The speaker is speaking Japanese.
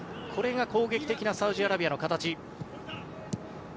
これが攻撃的なサウジアラビアの形。